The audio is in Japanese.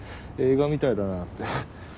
映画みたいだなって。